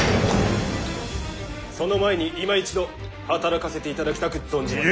その前にいま一度働かせていただきたく存じまする！